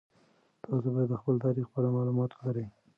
تاسو باید د خپل تاریخ په اړه مالومات ولرئ.